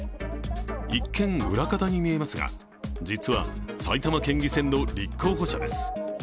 一見、裏方に見えますが実は埼玉県議選の立候補者です。